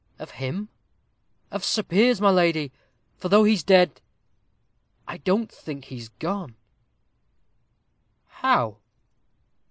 "Of him?" "Of Sir Piers, my lady; for though he's dead, I don't think he's gone." "How?"